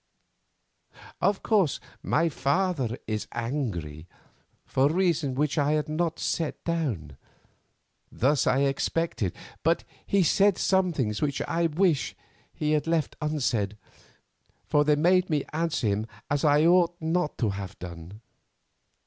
... "Of course, my father is angry, for reasons which I need not set down. This I expected, but he said some things which I wish he had left unsaid, for they made me answer him as I ought not to have done.